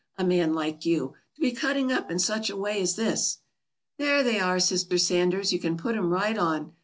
A man like you, to be cutting up in such a way as this!" "There they are, Sister Sanders. You can put 'em right on.